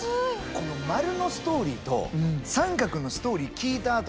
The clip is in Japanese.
この丸のストーリーと三角のストーリー聞いたあとのだ円。